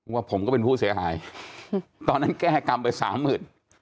ว่าผมก็เป็นผู้เสียหายตอนนั้นแก้กรรมไปสามหมื่น